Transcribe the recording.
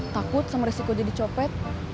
takut sama risiko jadi copet